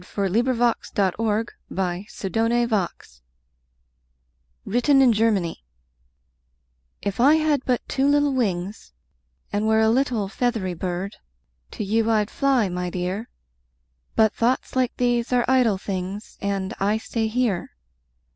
SOMETHING CHILDISH, BUT VERY NATURAL[313:1] WRITTEN IN GERMANY If I had but two little wings And were a little feathery bird, To you I'd fly, my dear! But thoughts like these are idle things, And I stay here.